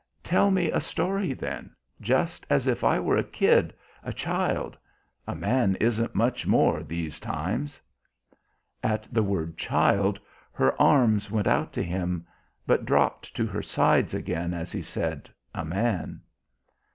"Tell me a story then just as if I were a kid, a child. A man isn't much more these times." At the word "child" her arms went out to him, but dropped to her sides again as he said "a man."